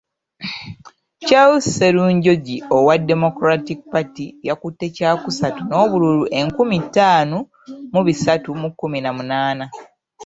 Charles Sserunjogi owa Democratic Party yakutte kyakusatu n'obululu enkumi ttaano mu bisatu mu kkumi na munaana.